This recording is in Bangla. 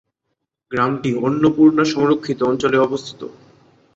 গ্রামটি অন্নপূর্ণা সংরক্ষিত অঞ্চলে অবস্থিত।